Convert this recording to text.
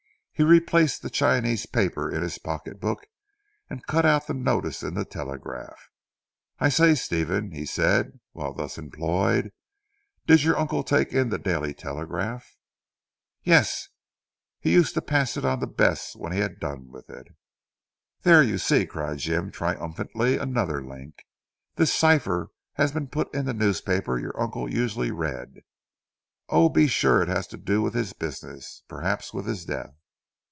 He replaced the Chinese paper in his pocket book, and cut out the notice in the Telegraph. "I say Stephen," he said while thus employed, "did your uncle take in the 'Daily Telegraph?'" "Yes! He used to pass it on to Bess when he had done with it." "There you see!" cried Jim triumphantly, "another link. This cipher has been put in the newspaper your uncle usually read. Oh, be sure it has to do with his business perhaps with his death.